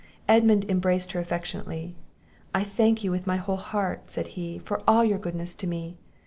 Edmund embraced her affectionately. "I thank you with my whole heart," said he, "for all your goodness to me!